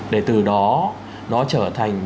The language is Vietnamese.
để từ đó nó trở thành những